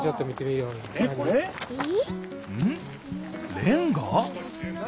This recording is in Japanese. レンガ？